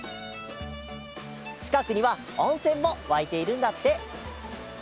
ちかくにはおんせんもわいているんだって！